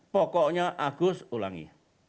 pokoknya agus ulangi